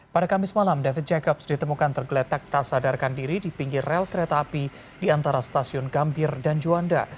pada kamis malam david jacobs ditemukan tergeletak tak sadarkan diri di pinggir rel kereta api di antara stasiun gambir dan juanda